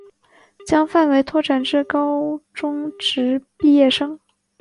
将范围拓展至高中职毕业生